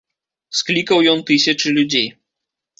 Склікаў ён тысячы людзей.